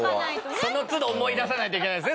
その都度思い出さないといけないですね